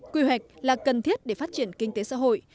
quy hoạch là cần thiết để phát triển kinh tế xã hội